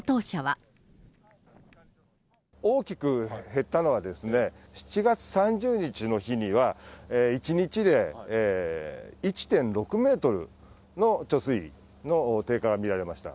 大きく減ったのは、７月３０日の日には、１日で１．６メートルの貯水位の低下が見られました。